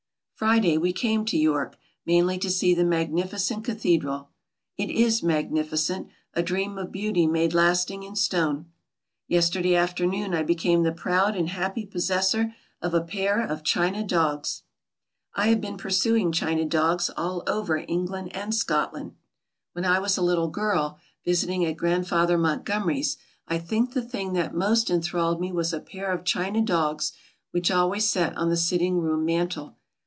Friday we came to York, mainly to see the magnificent cathedral. It is magnificent, a dream of beauty made lasting in stone. Yesterday afternoon I became the proud and happy possessor of a pair of china dogs! I have been pursuing china dogs all over England and Scodand. When I was a little girt, visiting at Grandfather •'"J „,. .,Google Montgomery's I think the thing that most enthralled me was a pair of china dogs which always sat on the sining room mantel.